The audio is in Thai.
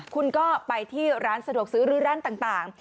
คุณก็ไปที่ร้านสะดวกซื้อหรือร้านต่าง